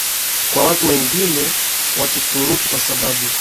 kwa watu wengine wa Kituruki kwa sababu